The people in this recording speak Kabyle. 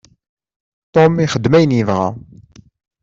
Tom ixeddem ayen yebɣa.